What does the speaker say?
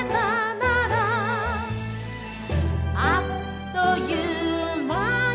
「あっという間に」